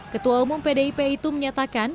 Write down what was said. ketua umum pdip itu menyatakan